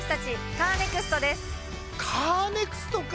カーネクストか！